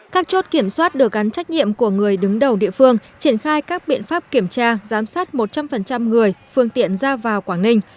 các chốt kiểm soát được gắn trách nhiệm của người đứng đầu địa phương triển khai các biện pháp kiểm tra giám sát một trăm linh người phương tiện ra vào quảng ninh